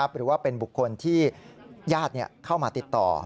หรือว่าเป็นบุคคลที่ญาติเข้ามาติดต่อ